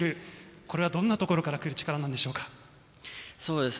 これはどんなところからくる力なんでしょうか？